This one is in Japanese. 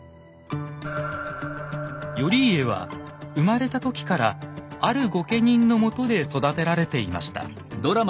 頼家は生まれた時からある御家人のもとで育てられていました。